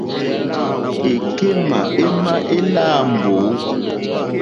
Èkémà émá èláǃá mbǒ.